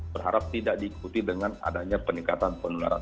berharap tidak diikuti dengan adanya peningkatan penularan